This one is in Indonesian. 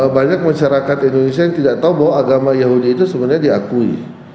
banyak masyarakat indonesia yang tidak tahu bahwa agama yahuni itu sebenarnya diakui